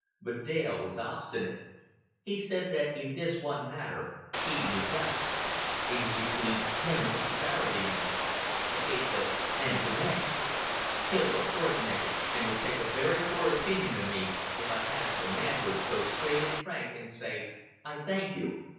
But Dale was obstinate. He said that in this one matter he knew best. It was between him and Mr. Barradine now a case of man to man. "He'll look for it, Mav, and would take a very poor opinion of me if I hadn't the manhood to go straight and frank, and say 'I thank you.'